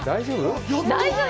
大丈夫？